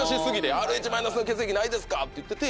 「Ｒｈマイナスの血液ないですか⁉」って言ってて。